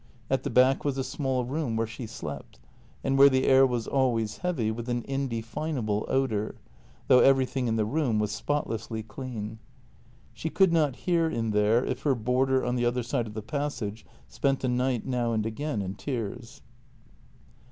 At the back was a small room where she slept, and where the air was al ways heavy with an indefinable odour, though everything in the room was spotlessly clean. She could not hear in there if her boarder on the other side of the passage spent a night now and again in tears.